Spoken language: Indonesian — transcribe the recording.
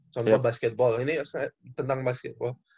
contoh basketbol ini tentang basketbol